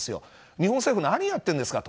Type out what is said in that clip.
日本政府、何やってるんですか。